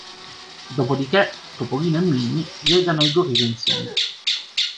Dopodiché, Topolino e Minni legano il gorilla insieme.